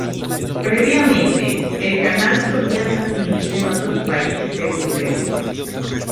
Previamente, el canal solía transmitir en otros países europeos.